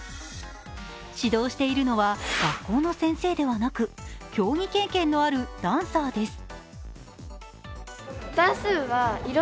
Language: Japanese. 指導しているのは、学校の先生ではなく、競技経験のあるダンサーです